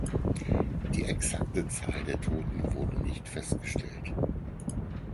Die exakte Zahl der Toten wurde nicht festgestellt.